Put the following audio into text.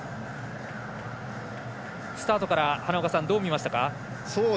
スタートから、花岡さんどう見ましたか？